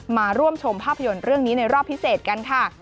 มาร่วมชมภาพยนตร์เรื่องนี้ในรอบพิเศษกันค่ะ